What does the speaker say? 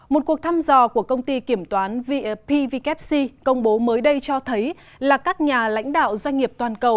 một cuộc thăm dò của công ty kiểm toán vpkc công bố mới đây cho thấy là các nhà lãnh đạo doanh nghiệp toàn cầu